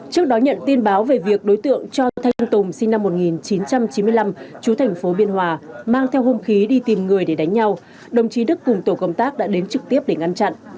trước đó nhận tin báo về việc đối tượng cho thanh tùng sinh năm một nghìn chín trăm chín mươi năm chú thành phố biên hòa mang theo hung khí đi tìm người để đánh nhau đồng chí đức cùng tổ công tác đã đến trực tiếp để ngăn chặn